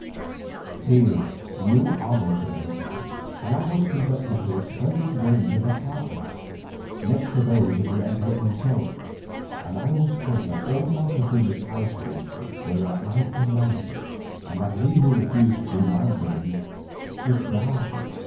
Here new honours awaited me, for I was conducted to a splendid range of apartments, next to those of the emperor himself, and I was told that all Montezuma's household were at my command and that he who refused to do my bidding should die.